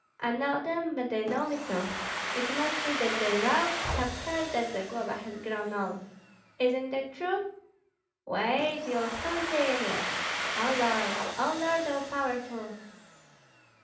I know them, but they know me too. It must be that the rogues have heard that Zagloba has grown old. Isn't that true? Wait! you'll see him yet! O Lord! O Lord, all Powerful!